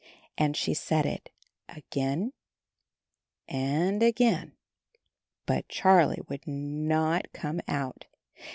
And she said it again and again. But Charlie would not come out.